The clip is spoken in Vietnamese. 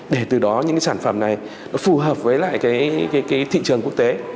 để từ đó những cái sản phẩm này nó phù hợp với lại cái thị trường quốc tế